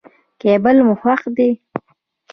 کېبل مو خوښ دی.